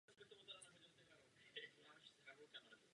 Své domácí zápasy odehrává ve Vida Aréně.